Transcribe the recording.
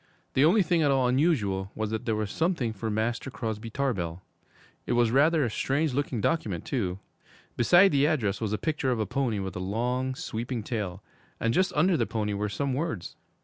The only thing at all unusual was that there was something for Master Crosby Tarbell. It was rather a strange looking document, too. Beside the address was a picture of a pony with a long, sweeping tail, and just under the pony were some words.